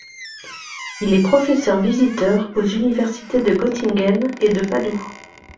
Il est professeur visiteur aux Universités de Göttingen et de Padoue.